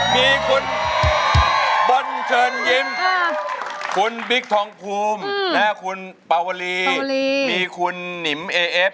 มีคุณบอลเชิญยิ้มคุณบิ๊กทองภูมิและคุณปาวลีมีคุณหนิมเอเอฟ